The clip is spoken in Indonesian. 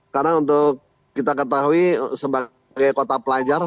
karena untuk kita ketahui sebagai kota pelajar